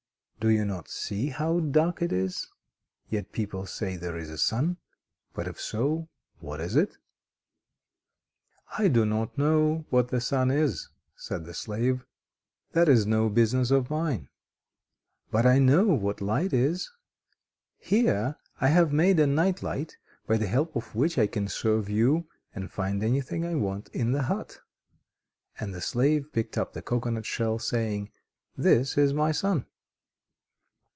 Do you not see how dark it is? Yet people say there is a sun.... But if so, what is it?" "I do not know what the sun is," said the slave. "That is no business of mine. But I know what light is. Here I have made a night light, by the help of which I can serve you and find anything I want in the hut." And the slave picked up the cocoanut shell, saying: "This is my sun."